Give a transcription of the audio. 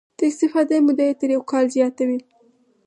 د استفادې موده یې تر یو کال زیاته وي.